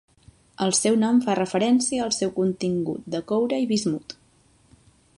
El seu nom fa referència al seu contingut de coure i bismut.